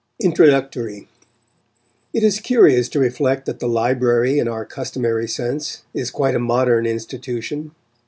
INTRODUCTORY It is curious to reflect that the library, in our customary sense, is quite a modern institution.